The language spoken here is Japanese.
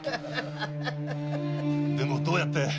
でもどうやって？